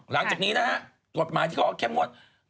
หลังจากนี้นะฮะตอบมาที่เขาเอาแค่มงวด๑เดือน